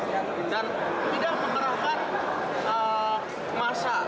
dan tidak mengerahkan masa